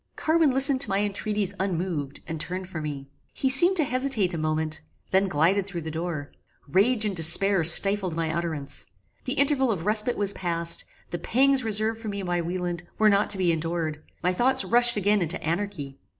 Carwin listened to my intreaties unmoved, and turned from me. He seemed to hesitate a moment: then glided through the door. Rage and despair stifled my utterance. The interval of respite was passed; the pangs reserved for me by Wieland, were not to be endured; my thoughts rushed again into anarchy.